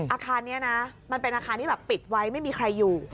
อาคารนี้นะมันเป็นอาคารที่แบบปิดไว้ไม่มีใครอยู่